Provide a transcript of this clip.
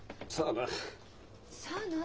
さあな。